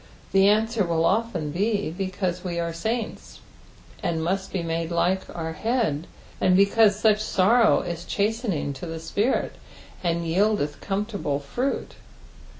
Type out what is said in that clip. The answer will often be because we are saints, and muat be made like our Head, and because such sorrow is chaateninK to the spirit, and yieldeth comfortable fruit.